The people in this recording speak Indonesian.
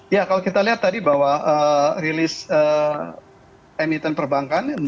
ya kalau kita lihat tadi bahwa rilis emiten perbankan